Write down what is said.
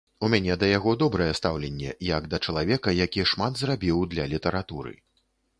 У мяне да яго добрае стаўленне, як да чалавека, які шмат зрабіў для літаратуры.